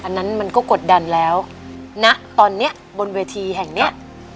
อันนั้นมันก็กดดันแล้วณตอนนี้บนเวทีแห่งเนี้ย